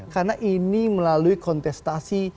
karena ini melalui kontestasi